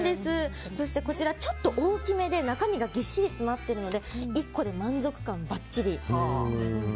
そしてこちらちょっと大きめで中身がぎっしり詰まっているので１個で満足感ばっちりです。